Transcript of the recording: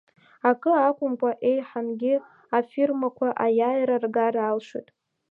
Акы акәымкәа еиҳангьы афирмақәа аиааира ргар алшоит.